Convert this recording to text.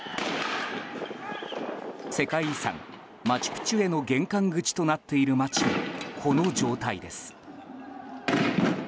世界遺産マチュピチュへの玄関口となっている街もこの状態です。